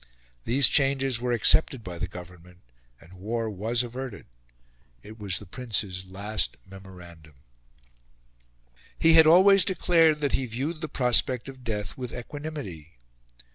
These changes were accepted by the Government, and war was averted. It was the Prince's last memorandum. He had always declared that he viewed the prospect of death with equanimity.